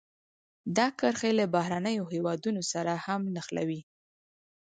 دا کرښې له بهرنیو هېوادونو سره هم نښلوي.